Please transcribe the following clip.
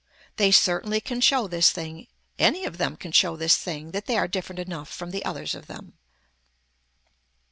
They certainly can show this thing, any of them can show this thing that they are different enough from the others of them.